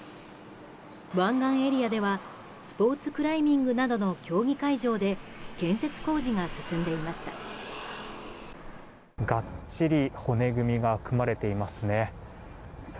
湾岸エリアではスポーツクライミングなどの競技会場で建設工事が進んでいました。